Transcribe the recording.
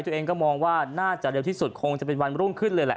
ตัวเองก็มองว่าน่าจะเร็วที่สุดคงจะเป็นวันรุ่งขึ้นเลยแหละ